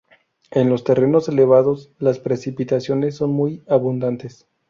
En los terrenos elevados, las precipitaciones son muy abundantes.